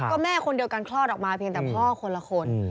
ก็แม่คนเดียวกันคลอดออกมาเพียงแต่พ่อคนละคน